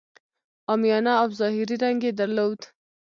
عامیانه او ظاهري رنګ یې درلود.